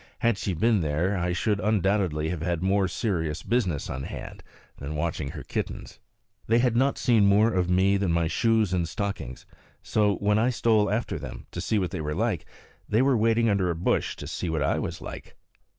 Had she been there, I should undoubtedly have had more serious business on hand than watching her kittens. They had not seen more of me than my shoes and stockings; so when I stole after them, to see what they were like, they were waiting under a bush to see what I was like.